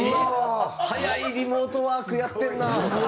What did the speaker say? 早いリモートワークやってんな。